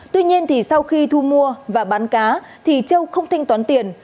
tuy nhiên sau khi thu mua và bán cá thì châu không thanh toán tiền